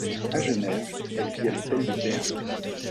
À Genève, elle vit à l'hôtel des Bergues.